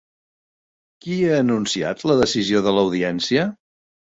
Qui ha anunciat la decisió de l'Audiència?